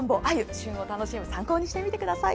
旬を楽しむ参考にしてみてください。